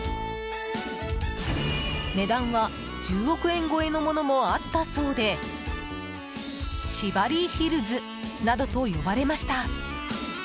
値段は１０億円超えのものもあったそうでチバリーヒルズなどと呼ばれました。